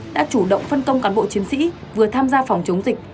đã chủ động phân công cán bộ chiến sĩ vừa tham gia phòng chống dịch